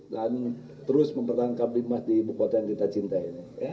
dan terus mempertangkap khidmat di buku kota yang kita cintai